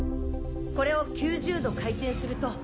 これを９０度回転すると。